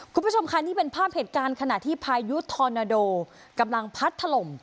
คุณผู้ชมค่ะนี่เป็นภาพเหตุการณ์ขณะที่พายุทอนาโดกำลังพัดถล่ม